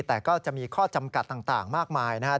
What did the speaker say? แต่ก็จะมีข้อจำกัดต่างมากมายนะครับ